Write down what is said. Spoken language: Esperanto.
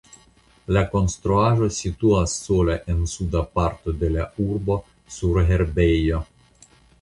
La konstruaĵo situas sola en suda parto de la urbo sur herbejo.